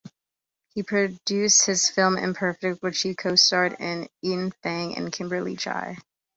He produced his film, "Imperfect", which he co-starred with Ian Fang and Kimberly Chia.